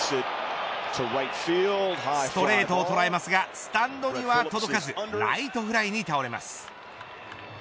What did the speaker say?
ストレートを捉えますがスタンドには届かずライトフライに倒れます。